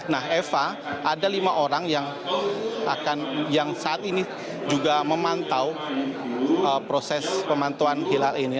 nah eva ada lima orang yang saat ini juga memantau proses pemantauan hilal ini